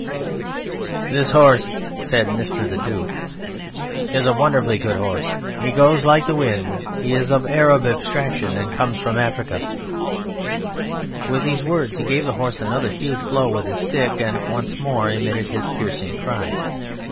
"This horse," said Mr. The Duke, "is a wonderfully good horse. He goes like the wind. He is of Arab extraction, and comes from Africa." With these words he gave the horse another huge blow with his stick, and once more emitted his piercing cry.